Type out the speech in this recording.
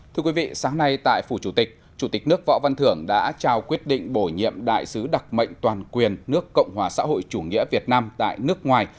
thưa quý vị sáng nay tại phủ chủ tịch chủ tịch nước võ văn thưởng đã trao quyết định bổ nhiệm đại sứ đặc mệnh toàn quyền nước cộng hòa xã hội chủ nghĩa việt nam tại nước ngoài